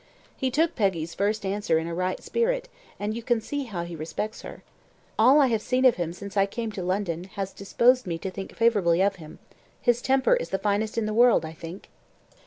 He took Peggy's first answer in a right spirit, and you can see how he respects her. All I have seen of him since I came to London, has disposed me to think favourably of him. His temper is the finest in the world, I think."